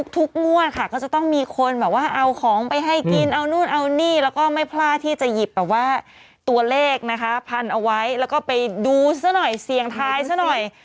ทุกงวดค่ะก็จะต้องมีคนแบบว่าเอาของไปให้กินเอานู่นเอานี่แล้วก็ไม่พลาดที่จะหยิบแบบว่าตัวเลขนะคะพันเอาไว้แล้วก็ไปดูซะหน่อยเสี่ยงทายซะหน่อย